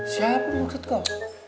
siapa malaikat kau